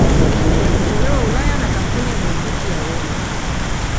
Ya kutolewa Ulaya na Kampuni ya Muziki ya Warner